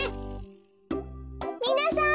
みなさん